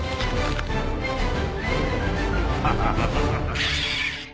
ハハハハ！